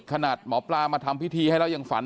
ขนาดหมอปลามาทำพิธีให้แล้วยังฝัน